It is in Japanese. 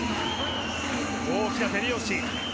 大きな手拍子。